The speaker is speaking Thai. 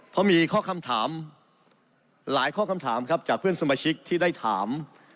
เพราะมีข้อคำถามหลายข้อคำถามครับจากเพื่อนสมาชิกที่ได้ถาม